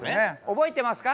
覚えてますか？